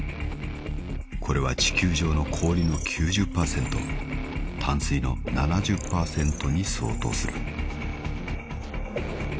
［これは地球上の氷の９０％淡水の７０％に相当する］